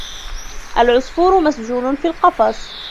الْعَصْفُورُ مَسْجُونٌ فِي الْقَفَصِ.